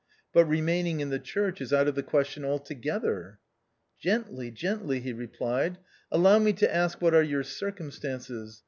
But remaining in the church is out of the question altogether." "Gently, gently," he replied, "allow me to ask you what are your circumstances?